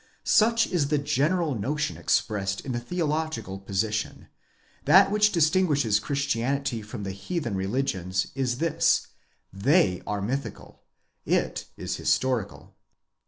Such is the general notion expressed in the theological position: that which distinguishes Christianity from the heathen religions is this, they are mythical, it is historical.